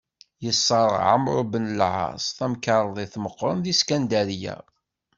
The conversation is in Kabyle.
Yesserɣ Ɛemru ben Lɛaṣ tamkerḍit meqqren deg Skandarya.